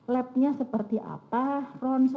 labnya seperti apa ronsen